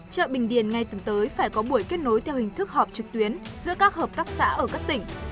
chợ bình điền ngay tuần tới phải có buổi kết nối theo hình thức họp trực tuyến giữa các hợp tác xã ở các tỉnh